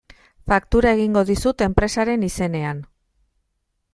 Faktura egingo dizut enpresaren izenean.